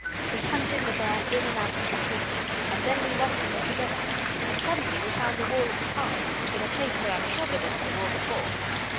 We hunted the bear in and out of the trees, and then we lost him altogether; and suddenly we found the wall of the Park in a place where I'm sure there wasn't a wall before.